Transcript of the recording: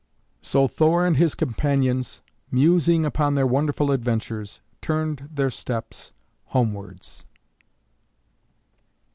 So Thor and his companions, musing upon their wonderful adventures, turned their steps homewards.